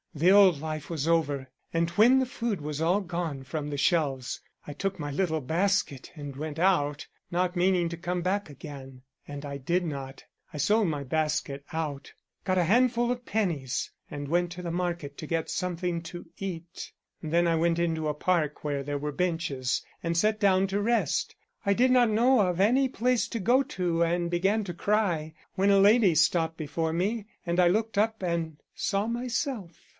The old life was over, and when the food was all gone from the shelves, I took my little basket and went out, not meaning to come back again. And I did not. I sold my basket out; got a handful of pennies and went to the market to get something to eat. Then I went into a park, where there were benches, and sat down to rest. I did not know of any place to go to and began to cry, when a lady stopped before me, and I looked up and saw myself.